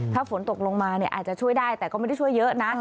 ถ้าฝนตกลงมาอาจจะช่วยได้แต่ก็ไม่ได้ช่วยเยอะนะ